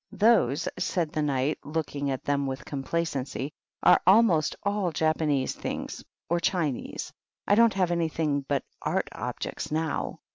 "Those," said the Kjiight, looking at them with complacency, "are almost all Japanese things, or Chinese. I don't have anything but art objects now."